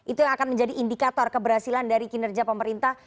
itu yang akan menjadi indikator keberhasilan dari kinerja pemerintah